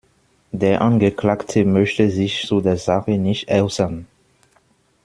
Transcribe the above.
Der Angeklagte möchte sich zu der Sache nicht äußern.